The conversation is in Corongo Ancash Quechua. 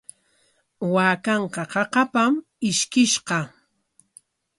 Waakanqa qaqapam ishkiskishqa.